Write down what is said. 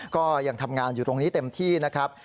ก็ยังทำงานอยู่ตรงนี้เต็มที่นะครับ